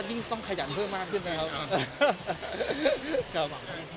ยิ่งต้องขยันเพิ่มมากขึ้นนะครับ